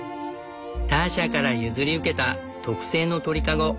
ターシャから譲り受けた特製の鳥籠。